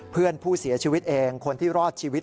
เพื่อนผู้เสียชีวิตเองคนที่รอดชีวิต